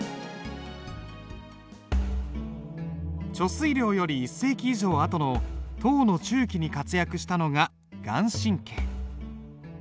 遂良より１世紀以上あとの唐の中期に活躍したのが顔真。